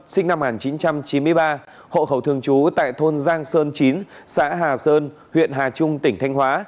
sinh năm một nghìn chín trăm chín mươi ba hộ khẩu thường trú tại thôn giang sơn chín xã hà sơn huyện hà trung tỉnh thanh hóa